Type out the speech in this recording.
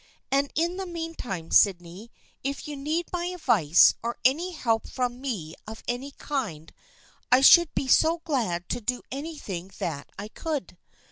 And in the meantime, Sydney, if you need my advice, or any help from me of any kind, I should be so glad to do anything that I could.